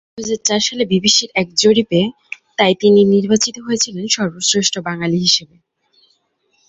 প্রথম থেকেই র্গ্যাল-বা-কার্মা-পা ও ঝ্বা-দ্মার-পা উপাধিধারী লামারা এঁকে অপরকে চিহ্নিত করে থাকেন।